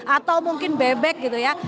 atau mungkin bebek gitu ya